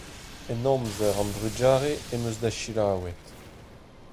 En amzer an drugarez em eus da selaouet.